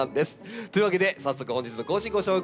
というわけで早速本日の講師ご紹介しましょう。